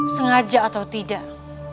sengaja atau tidak